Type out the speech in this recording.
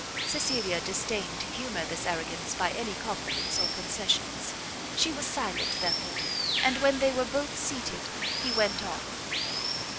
Cecilia disdained to humour this arrogance by any compliments or concessions: she was silent, therefore; and when they were both seated, he went on.